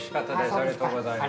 ありがとうございます。